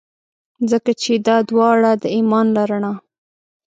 ځکه چي دا داوړه د ایمان له رڼا.